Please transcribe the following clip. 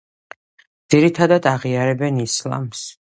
ძირითადად აღიარებენ ისლამს.